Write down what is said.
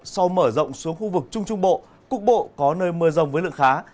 sau mở rộng xuống khu vực trung trung bộ cục bộ có nơi mưa rông với lượng khá